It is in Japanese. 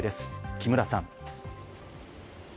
木村さん。